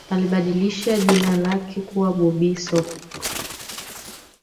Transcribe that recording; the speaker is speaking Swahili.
Alibadilisha jina lake kuwa Bobbi Sox